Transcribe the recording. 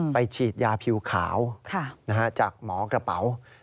ฉีดยาผิวขาวจากหมอกระเป๋า